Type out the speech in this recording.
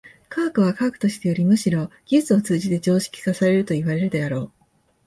科学は科学としてよりむしろ技術を通じて常識化されるといわれるであろう。